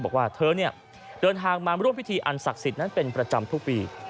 บอกว่าเธอเดินทางมาร่วมพิธีอันศักดิ์สิทธิ์นั้นเป็นประจำทุกปี